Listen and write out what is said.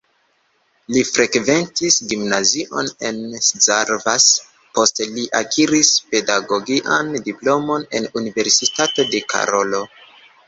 Li frekventis gimnazion en Szarvas, poste li akiris pedagogian diplomon en Universitato de Karolo.